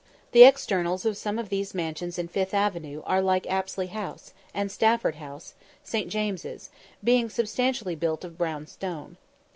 The externals of some of these mansions in Fifth Avenue are like Apsley House, and Stafford House, St. James's; being substantially built of brown stone.